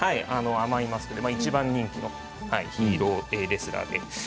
甘いマスクで一番人気のヒーローレスラーです。